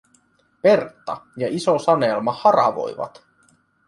Pertta ja iso Sanelma haravoivat.